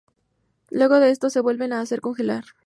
Luego de esto se vuelven a hacer congelar.